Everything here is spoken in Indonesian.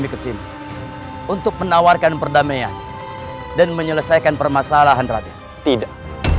kesini untuk menawarkan perdamaian dan menyelesaikan permasalahan rakyat tidak